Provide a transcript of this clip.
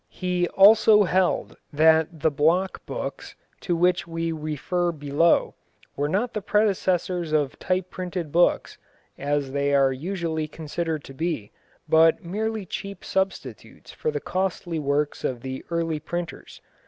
He also held that the block books, to which we refer below, were not the predecessors of type printed books, as they are usually considered to be, but merely cheap substitutes for the costly works of the early printers.